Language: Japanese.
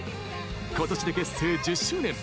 ことしで結成１０周年。